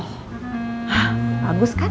hah bagus kan